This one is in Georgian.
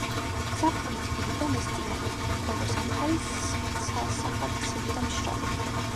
ზაფხული თბილი და ნესტიანი, ხოლო ზამთარი ცალსახად ცივი და მშრალი.